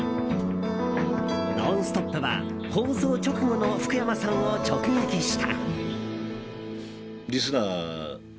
「ノンストップ！」は放送直後の福山さんを直撃した。